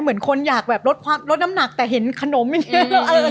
เหมือนคนอยากแบบลดน้ำหนักแต่เห็นขนมอย่างนี้